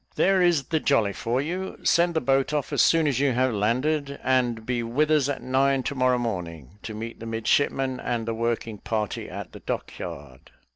There is the jolly for you: send the boat off as soon as you have landed, and be with us at nine to morrow morning, to meet the midshipman and the working party in the dock yard."